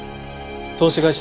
投資会社